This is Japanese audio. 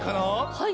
はい。